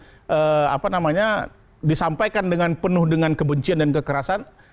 kalau itu kemudian apa namanya disampaikan dengan penuh dengan kebencian dan kekerasan